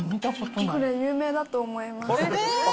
これ有名だと思います。